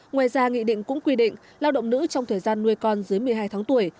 ngoài ra nghị định cũng quy định lao động nữ trong thời gian nuôi con dưới một mươi hai tháng tuổi